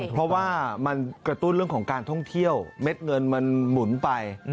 เพราะว่ามันกระตุ้นเรื่องของการท่องเที่ยวเม็ดเงินมันหมุนไป